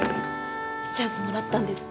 チャンスもらったんです。